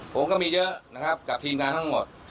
ผมก็มีเยอะนะครับกับทีมงานทั้งหมด